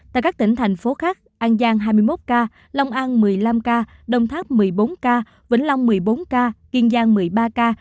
tại các tỉnh thành phố khác an giang hai mươi một ca long an một mươi năm ca đồng tháp một mươi bốn ca vĩnh long một mươi bốn ca kiên giang một mươi ba ca